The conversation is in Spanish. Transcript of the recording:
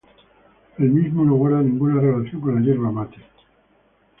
El mismo no guarda ninguna relación con la yerba mate.